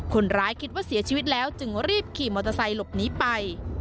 คนร้ายคิดว่าเสียชีวิตแล้วจึงรีบขี่มอเตอร์ไซค์หลบหนีไป